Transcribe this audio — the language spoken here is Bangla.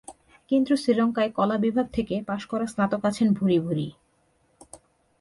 কিন্তু শ্রীলঙ্কায় কলা বিভাগ থেকে পাস করা স্নাতক আছেন ভূরি ভূরি।